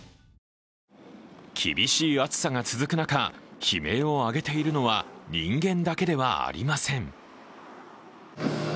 厳しい暑さが続く中、悲鳴を上げているのは人間だけではありません。